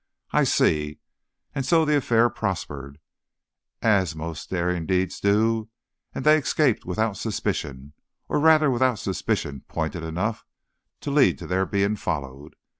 "I see; and so the affair prospered, as most very daring deeds do, and they escaped without suspicion, or rather without suspicion pointed enough to lead to their being followed.